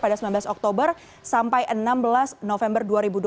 pada sembilan belas oktober sampai enam belas november dua ribu dua puluh satu